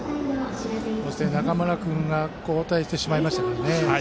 そして中村君が交代してしまいましたから。